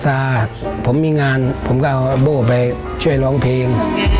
พมศาษณ์ผมมีงานผมก็บู๊ะไปช่วยร้องเพลง